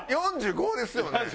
４５ですよね？